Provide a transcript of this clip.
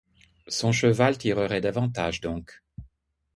Son cheval tirerait davantage, donc !